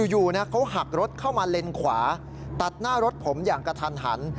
อยู่เขาหักรถเข้ามาเลนขวาตัดหน้ารถผมอย่างกระทันหัน